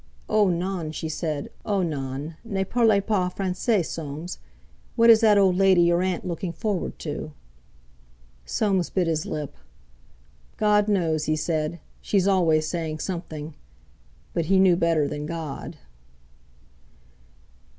"Oh, non!" she said. "Oh, non! ne parlez pas Français, Soames. What is that old lady, your aunt, looking forward to?" Soames bit his lip. "God knows!" he said; "she's always saying something;" but he knew better than God.